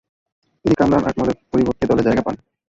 তিনি কামরান আকমল এর পরিবর্তে দলে জায়গা পান।